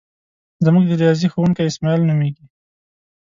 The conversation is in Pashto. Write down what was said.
زمونږ د ریاضی ښوونکی اسماعیل نومیږي.